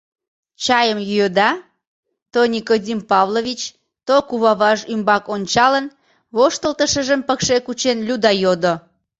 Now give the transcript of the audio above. — Чайым йӱыда? — то Никодим Павлович, то куваваж ӱмбак ончалын, воштылтышыжым пыкше кучен, Люда йодо.